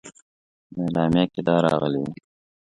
اعلامیه کې دا راغلي وه.